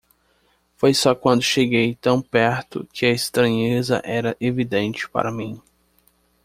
Foi só quando cheguei tão perto que a estranheza era evidente para mim.